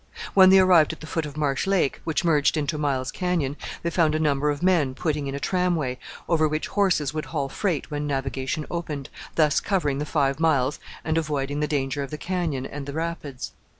When they arrived at the foot of Marsh Lake, which merged into Miles Canyon, they found a number of men putting in a tramway, over which horses would haul freight when navigation opened, thus covering the five miles and avoiding the danger of the canyon and the rapids.